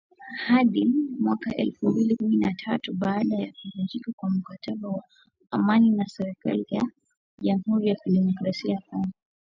Hadi mwaka elfu mbili kumi na tatu baada ya kuvunjika kwa mkataba wa amani na serikali ya Jamhuri ya Kidemokrasia ya Kongo.